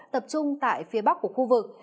tập trung tại phía bắc của khu vực